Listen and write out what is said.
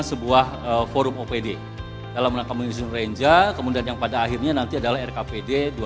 sebuah forum opd dalam rangka menunjukan ranger kemudian yang pada akhirnya nanti adalah rkpd dua ribu dua puluh lima